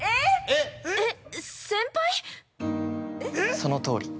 ◆そのとおり。